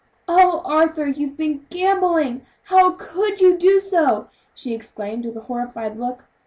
"Oh! Arthur, you've been gambling; how could you do so?" she exclaimed with a horrified look.